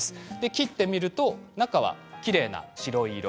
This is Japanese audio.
切ってみると中はきれいな白色。